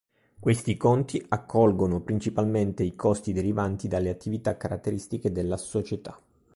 Questi conti accolgono principalmente i costi derivanti dalle attività caratteristiche della società.